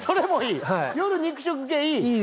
夜肉食系いい？